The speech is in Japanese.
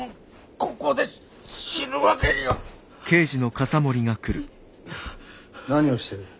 ここで死ぬわけには。何をしてる。